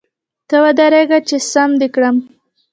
ته ودرېږه چي ! سم دي کړم .